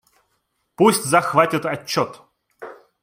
Пусть захватит отчет.